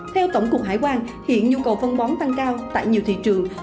theo tổng cục hải quan hiện nhu cầu phân bón tăng cao tại nhiều thị trường